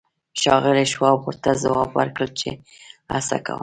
ښاغلي شواب ورته ځواب ورکړ چې هڅه کوم